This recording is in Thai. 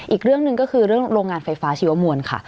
อีกเรื่องหนึ่งก็คือเรื่องโรงงานไฟฟ้าชีวมวลค่ะ